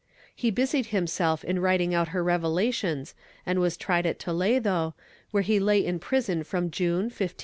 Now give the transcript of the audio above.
He busied himself in writing out her revelations and was tried at Toledo, where he lay in prison from June, 1590, until April, 1596.